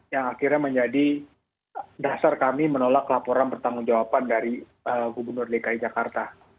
yang akhirnya menjadi dasar kami menolak laporan pertanggung jawaban dari gubernur dki jakarta